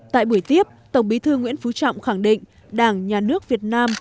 tại buổi tiếp tổng bí thư nguyễn phú trọng khẳng định đảng nhà nước việt nam